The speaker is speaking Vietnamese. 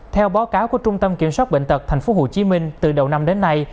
theo báo cáo của trung tâm kiểm soát bệnh tật tp hcm từ đầu năm đến nay